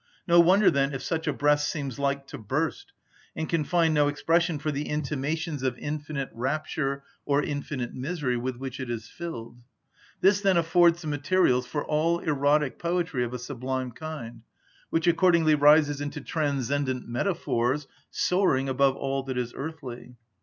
No wonder, then, if such a breast seems like to burst, and can find no expression for the intimations of infinite rapture or infinite misery with which it is filled. This, then, affords the materials for all erotic poetry of a sublime kind, which accordingly rises into transcendent metaphors, soaring above all that is earthly.